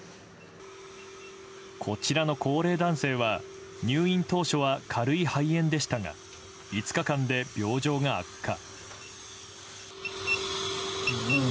こちらの高齢男性は入院当初は軽い肺炎でしたが５日間で病状が悪化。